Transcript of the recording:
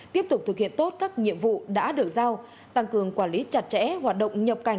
tiếp tục thực hiện tốt các nhiệm vụ đã được giao tăng cường quản lý chặt chẽ hoạt động nhập cảnh